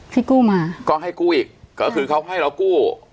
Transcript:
ที่กู้มาก็ให้กู้อีกก็คือเขาให้เรากู้